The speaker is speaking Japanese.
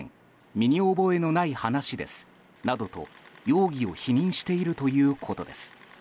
身に覚えのない話ですなどと容疑を否認しているということです。